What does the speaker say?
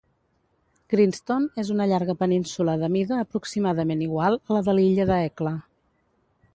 Grindstone és una llarga península de mida aproximadament igual a la de l'illa de Hecla.